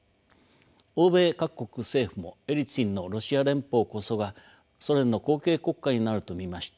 欧米各国政府もエリツィンのロシア連邦こそがソ連の後継国家になると見ました。